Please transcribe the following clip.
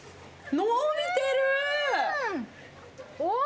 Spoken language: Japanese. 伸びてる。